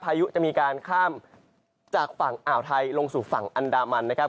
พายุจะมีการข้ามจากฝั่งอ่าวไทยลงสู่ฝั่งอันดามันนะครับ